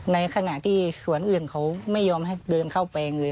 ในขณะที่สวนอื่นเขาไม่ยอมให้เดินเข้าไปเลย